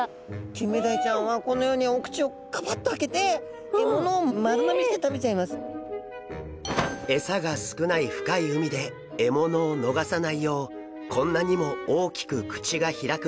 キンメダイちゃんはこのようにお口をガバッと開けてエサが少ない深い海で獲物を逃さないようこんなにも大きく口が開くんです。